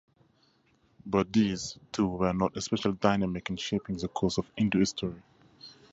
But these, too, were not especially dynamic in shaping the course of Hindu history.